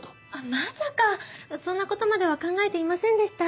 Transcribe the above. まさかそんなことまでは考えていませんでした。